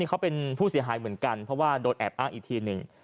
เขาเป็นผู้เสียหายเหมือนกันเพราะว่าโดนแอบอ้างอีกทีหนึ่ง